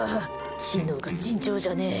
知能が尋常じゃねえ。